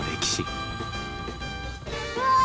うわ！